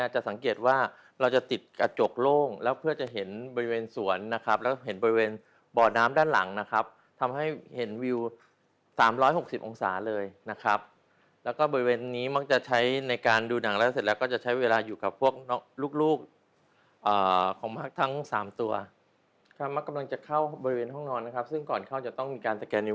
จะสังเกตว่าเราจะติดกระจกโล่งแล้วเพื่อจะเห็นบริเวณสวนนะครับแล้วเห็นบริเวณบ่อน้ำด้านหลังนะครับทำให้เห็นวิว๓๖๐องศาเลยนะครับแล้วก็บริเวณนี้มักจะใช้ในการดูหนังแล้วเสร็จแล้วก็จะใช้เวลาอยู่กับพวกลูกลูกของพักทั้งสามตัวครับมักกำลังจะเข้าบริเวณห้องนอนนะครับซึ่งก่อนเข้าจะต้องมีการสแกนิว